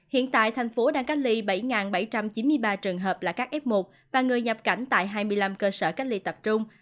hiện tại thành phố đang cách ly bảy bảy trăm chín mươi ba trường hợp là các f một và người nhập cảnh tại hai mươi năm cơ sở cách ly tập trung